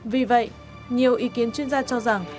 vì vậy nhiều ý kiến chuyên gia cho rằng